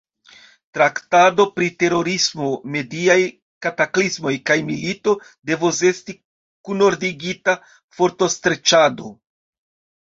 Traktado pri terorismo, mediaj kataklismoj kaj milito devos esti kunordigita fortostreĉado.